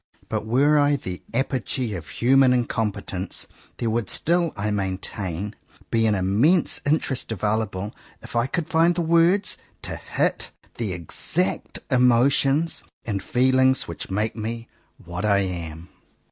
But were I the apogee of human incompetence, there would still, I maintain, be an immense interest available, if I could find words to hit the exact emotions and feelings which make me what I am.